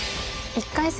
１回戦